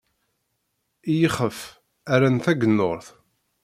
I yixef, rran tagennurt.